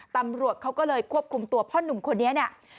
ตำรวจเขาก็เลยควบคุมตัวพ่อนุ่มคนนี้เนี่ย